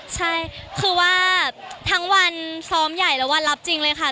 ใช่คือว่าทั้งวันซ้อมใหญ่และวันรับจริงเลยค่ะ